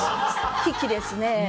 危機ですね。